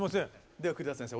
では栗田先生